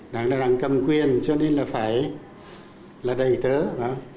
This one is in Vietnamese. đảng là đảng cầm quyền cho nên là phải là đầy tớ phải không